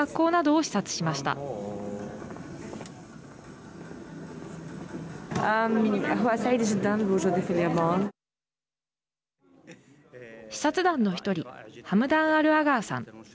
視察団の１人ハムダーン・アルアガーさん。